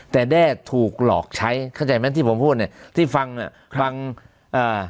แต่แด้ถูกหลอกใช้เข้าใจไหมที่ผมพูดเนี้ยที่ฟังเนี้ยฟังอ่า